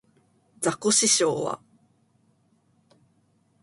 ザコシショウは